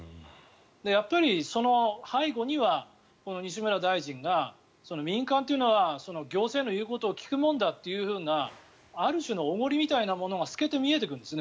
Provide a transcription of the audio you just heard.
やっぱり背後には西村大臣が民間というのは行政の言うことを聞くもんだというある種のおごりみたいなものが透けて見えてくるんですね